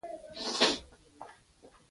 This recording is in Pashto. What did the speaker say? راکټ د بشر د ارمان سمبول شو